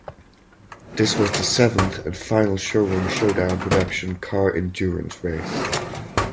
This was the seventh and final Showroom Showdown production car endurance race.